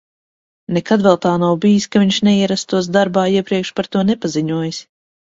Nekad vēl tā nav bijis, ka viņš neierastos darbā, iepriekš par to nepaziņojis.